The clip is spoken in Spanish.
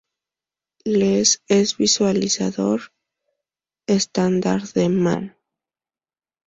Less es el visualizador estándar de man.